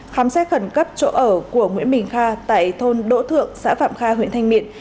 khám xét khẩn cấp chỗ ở của nguyễn bình kha tại thôn đỗ thượng xã phạm kha huyện thanh miện